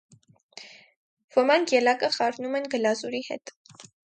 Ոմանք ելակը խառնում են գլազուրի հետ։